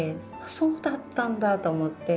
そうだったんだと思って。